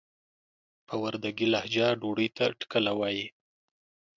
په وردګي لهجه ډوډۍ ته ټکله وايي.